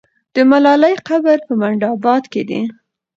د ملالۍ قبر په منډآباد کې دی.